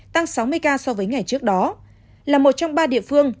tăng sáu mươi ca so với ngày trước đó là một trong ba địa phương